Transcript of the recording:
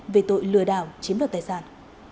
về tội lừa đảo chiếm đoạt tài sản